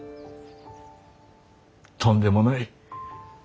とんでもない。